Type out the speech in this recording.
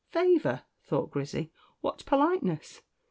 "Favour!" thought Grizzy; "what politeness!"